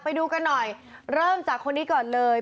ไปดูกันหน่อยเริ่มจากคนนี้ก่อนเลย